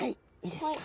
いいですか。